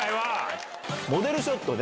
モデルショットね。